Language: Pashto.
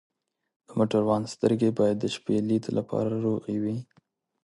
د موټروان سترګې باید د شپې لید لپاره روغې وي.